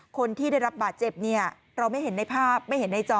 คนที่ได้รับบาดเจ็บเนี่ยเราไม่เห็นในภาพไม่เห็นในจอ